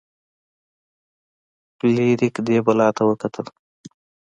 فلیریک دې بلا ته وکتل.